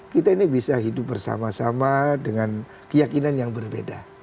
kita ini bisa hidup bersama sama dengan keyakinan yang berbeda